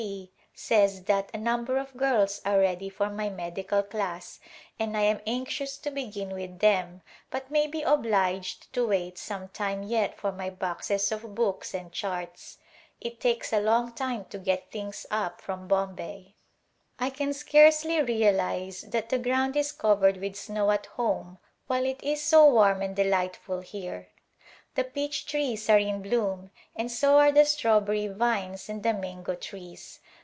T says that a number of girls are ready for my medical class and I am anxious to begin with them but may be obliged to wait some time yet for my boxes of books and charts. It takes a long time to get things up from Bombay. A Glimpse of India I can scarcely realize that the ground is covered with snow at home while it is so w^arm and delightful here. The peach trees are in bloom and so are the strawbem' vines and the mango trees.